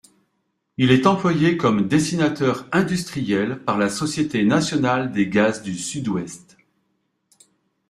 Il est employé comme dessinateur industriel par la Société nationale des gaz du Sud-Ouest.